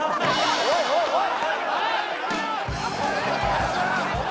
おいおいおい